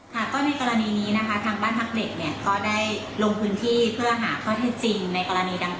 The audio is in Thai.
ในกรณีนี้ทางบ้านพักเด็กก็ได้ลงพื้นที่เพื่อหาข้อเท็จจริงในกรณีดังกล่าว